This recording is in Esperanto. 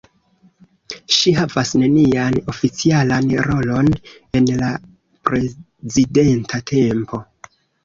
Ŝi havas nenian oficialan rolon en la prezidenta tempo.